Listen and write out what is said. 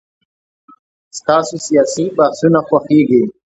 ستاسو سياسي بحثونه خوښيږي.